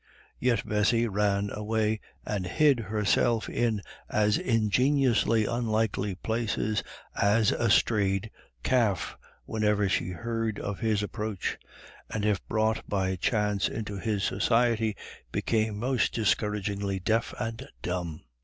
Yet Bessy ran away and hid herself in as ingeniously unlikely places as a strayed calf whenever she heard of his approach, and if brought by chance into his society became most discouragingly deaf and dumb.